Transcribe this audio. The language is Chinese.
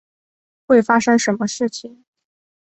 会发生什么事情？